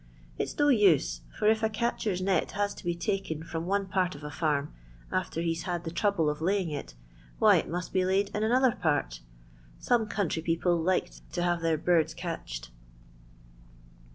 It 's no use, for if a catch er's net has to be taken from one part of a farm, after he 's had the trouble of laying it, why it must be laid in another part. Some country people likes to have their birds catched."